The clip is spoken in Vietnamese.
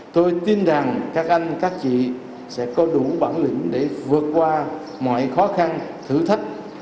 tôi tin rằng các anh các chị sẽ có đủ bản lĩnh để vượt qua mọi khó khăn thử thách